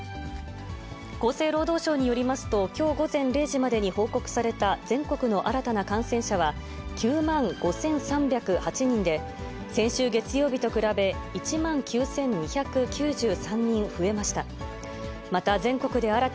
厚生労働省によりますと、きょう午前０時までに報告された全国の新たな感染者は、９万５３０８人で、先週月曜日と比べ、１万９２９３人増えました。